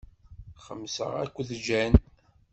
Xemmseɣ akked Jane.